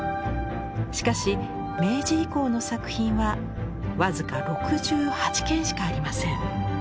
しかし明治以降の作品は僅か６８件しかありません。